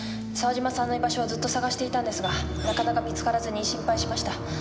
沢嶋さんの居場所をずっと捜していたんですがなかなか見つからずに心配しました。